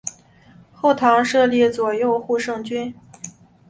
后唐设立左右护圣军。